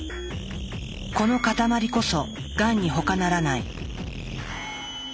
この塊こそがんにほかならない。